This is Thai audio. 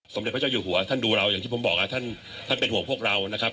สมเด็จพระเจ้าอยู่หัวท่านดูเราอย่างที่ผมบอกท่านเป็นห่วงพวกเรานะครับ